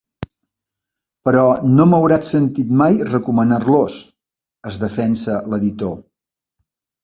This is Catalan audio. Però no m'hauràs sentit mai recomanar-los! —es defensa l'editor.